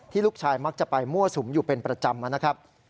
ลูกชายมักจะไปมั่วสุมอยู่เป็นประจำนะครับ